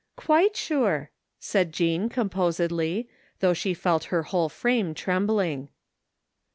"" Quite sure! " said Jean composedly, though she felt her whole frame trembling.